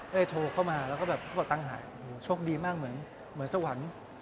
ได้โทรเข้ามาแล้วก็แบบกระเป๋าตังหายโชคดีมากเหมือนสวรรค์